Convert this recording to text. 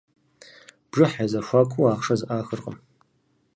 Бжыхь я зэхуакуу ахъшэ зэӏахыркъым.